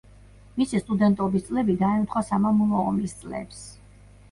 მისი სტუდენტობის წლები დაემთხვა სამამულო ომის წლებს.